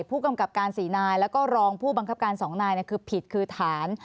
ผู้กำกับการ๔นายแล้วก็รองผู้บังคับการ๒นายคือผิดคือฐาน